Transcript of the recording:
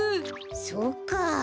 そっかあ。